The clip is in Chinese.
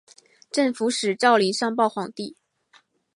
镇抚使赵霖上报皇帝。